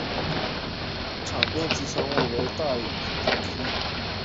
场边吉祥物为大义与唐基。